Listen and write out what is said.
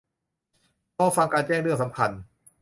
รอฟังการแจ้งเรื่องสำคัญ